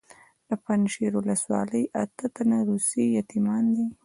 د پنجشیر ولسوالۍ اته تنه روسي یتیمان دي.